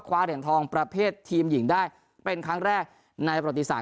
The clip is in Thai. เหรียญทองประเภททีมหญิงได้เป็นครั้งแรกในประวัติศาส